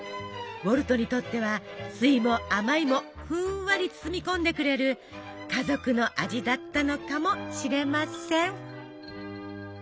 ウォルトにとっては酸いも甘いもふんわり包み込んでくれる家族の味だったのかもしれません。